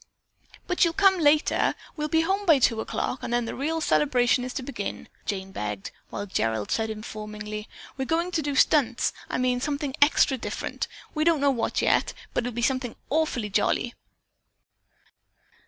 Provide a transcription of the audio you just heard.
"But you'll come later. We'll be home by two o'clock and then the real celebration is to begin," Jane begged, while Gerald said informingly, "We're going to do stunts. I mean something extra different. We don't know what yet, but it'll be something awful jolly."